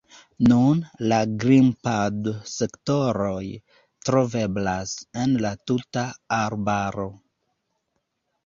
Nun, la grimpad-sektoroj troveblas en la tuta arbaro.